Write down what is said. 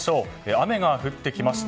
雨が降ってきました。